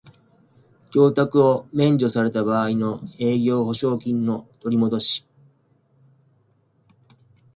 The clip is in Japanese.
供託を免除された場合の営業保証金の取りもどし